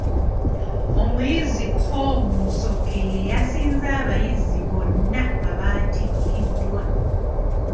Omuyizi Paul Musoke y'eyasinze abayizi bonna abaatikkiddwa.